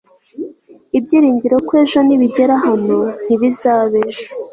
ibyiringiro ko ejo nibigera hano, ntibizaba ejo